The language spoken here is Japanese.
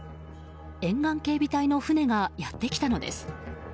沿岸警備隊の船がやってきたのです。